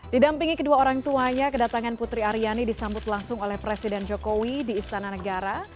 didampingi kedua orang tuanya kedatangan putri aryani disambut langsung oleh presiden jokowi di istana negara